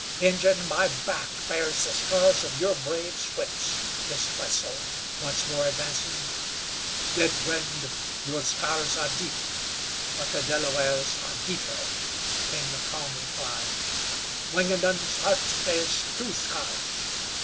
"Injun, my back bears the scars of your braves' whips," hissed Wetzel, once more advancing. "Deathwind, your scars are deep, but the Delaware's are deeper," came the calm reply. "Wingenund's heart bears two scars.